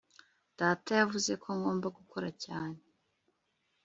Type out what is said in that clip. Data yavuze ko ngomba gukora cyane